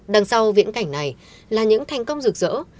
đằng sau viễn cảnh này là những thành công rực rỡ